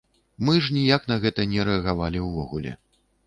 Мы ж ніяк на гэта не рэагавалі ўвогуле.